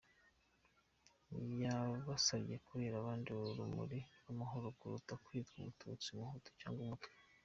Yabasabye kubera abandi urumuri rw’amahoro kuruta kwitwa umututsi, umuhutu cyangwa umutwa.